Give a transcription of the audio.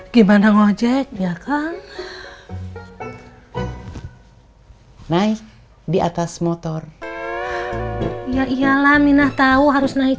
gimana ngajak ya kan naik di atas motor ya iyalah minah tahu harus naik